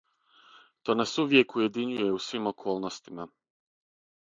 То нас увијек уједињује у свим околностима.